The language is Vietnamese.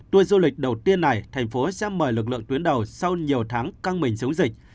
tour du lịch đầu tiên này thành phố sẽ mời lực lượng tuyến đầu sau nhiều tháng căng mình chống dịch